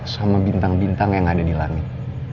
sama bintang bintang yang ada di langit